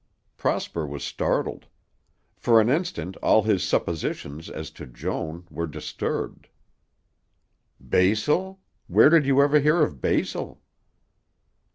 Prosper was startled. For an instant all his suppositions as to Joan were disturbed. "Basil? Where did you ever hear of basil?"